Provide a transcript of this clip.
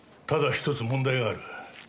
ただ１つ問題がある。